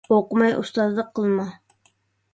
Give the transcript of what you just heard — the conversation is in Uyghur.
ئوقۇماي ئۇستازلىق قىلما.